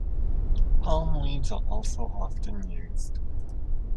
Palm leaves are also often used.